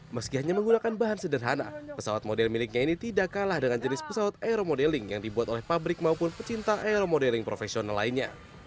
meski hanya menggunakan bahan sederhana pesawat model miliknya ini tidak kalah dengan jenis pesawat aeromodeling yang dibuat oleh pabrik maupun pecinta aeromodeling profesional lainnya